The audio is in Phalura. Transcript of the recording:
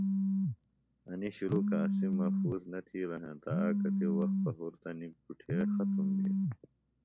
اینیۡ شُلوکہ اسِم محفوظ نہ تِھیلہ ہینتہ آکتیۡ وقت پہُرتہ نیۡ بُٹھے ختم بِھین